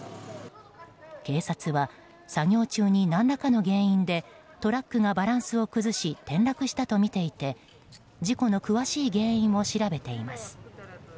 警察は作業中に何らかの原因でトラックがバランスを崩し転落したとみていて事故の詳しい原因を調べています。